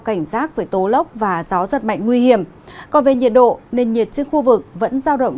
cảnh giác với tố lốc và gió giật mạnh nguy hiểm còn về nhiệt độ nền nhiệt trên khu vực vẫn giao động